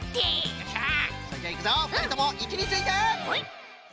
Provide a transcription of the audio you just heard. よっしゃそれじゃいくぞふたりともいちについてよい。